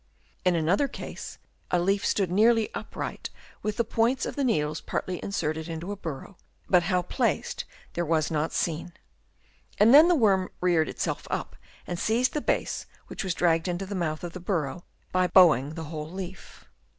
In another case a leaf stood nearly upright with the points of the needles partly inserted into a burrow, but how placed there was not seen ; and then the worm reared itself up and seized the base, which was dragged into the mouth of the burrow by bowing the whole leaf.